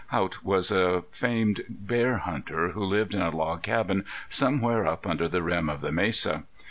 Haught was a famed bear hunter who lived in a log cabin somewhere up under the rim of the mesa.